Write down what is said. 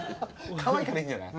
かわいいからいいんじゃない？